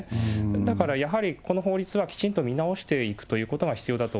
だから、やはりこの法律はきちんと見直していくということが必要